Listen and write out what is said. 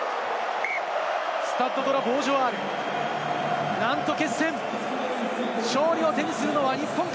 スタッド・ド・ラ・ボージョワール、ナント決戦、勝利を手にするのは日本か？